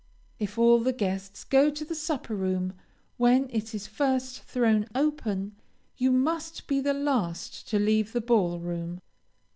If all the guests go to the supper room when it is first thrown open, you must be the last to leave the ball room.